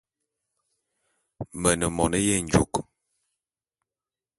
Me ne mone yenjôk.